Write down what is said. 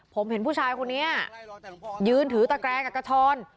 ผมเห็นผู้ชายคนนี้ยืนถือตะแกรงกับกระชอน